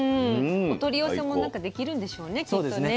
お取り寄せもできるんでしょうねきっとね。